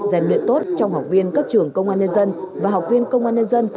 rèn luyện tốt trong học viên các trường công an nhân dân và học viên công an nhân dân